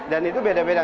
dan itu beda beda